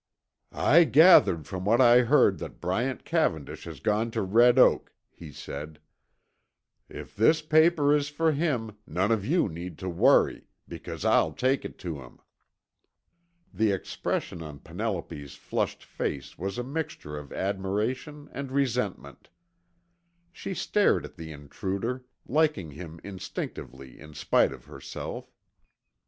"I gathered from what I heard that Bryant Cavendish has gone to Red Oak," he said. "If this paper is for him, none of you need worry, because I'll take it to him." The expression on Penelope's flushed face was a mixture of admiration and resentment. She stared at the intruder, liking him instinctively in spite of herself.